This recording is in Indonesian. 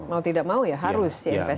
mau tidak mau ya harus ya investasi di situ